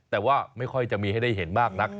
แต่ว่าไม่ค่อยจะมีให้ได้เห็นมากนัก